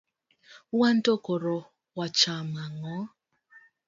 wanto koro wacham ang'o?